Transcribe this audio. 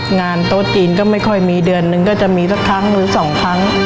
งานโต๊ะจีนก็ไม่ค่อยมีเดือนนึงก็จะมีสักครั้งหรือสองครั้ง